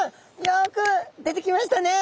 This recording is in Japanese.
よく出てきましたね。